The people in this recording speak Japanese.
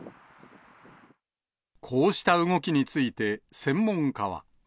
こうした動きについて、専門家は。